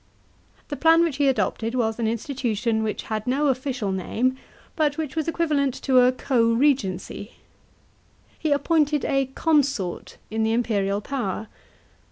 The plan which he adopted was an institution which had no official name, but which was equivalent to a co regency. He appointed a "consort" in the imperial power.